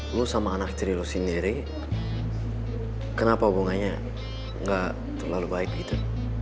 lo sama anak ceri lo sendiri kenapa hubungannya gak terlalu baik gitu